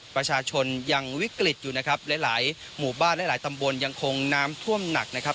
ประชาชนยังวิกฤตอยู่นะครับหลายหลายหมู่บ้านหลายหลายตำบลยังคงน้ำท่วมหนักนะครับ